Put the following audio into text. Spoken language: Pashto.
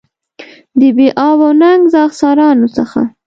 د بې آب او ننګ زاغ سارانو څخه.